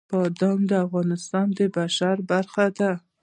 بادام د افغانستان د بشري فرهنګ برخه ده.